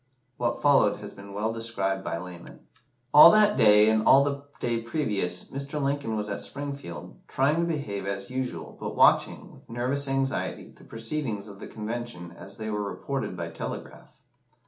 What followed has been well described by Lamon. "All that day, and all the day previous, Mr. Lincoln was at Springfield, trying to behave as usual, but watching, with nervous anxiety, the proceedings of the Convention as they were reported by telegraph.